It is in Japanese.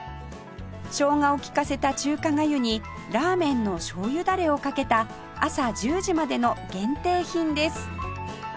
生姜を利かせた中華がゆにラーメンの醤油ダレをかけた朝１０時までの限定品です